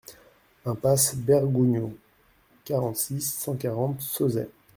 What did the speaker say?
Impasse Bergougnoux, quarante-six, cent quarante Sauzet